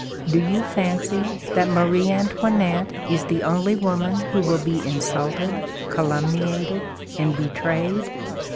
Do you fancy that Marie Antoinette is the only woman who will be insulted, calumniated, and betrayed?